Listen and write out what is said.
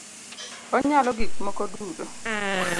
Onyalo gik moko duto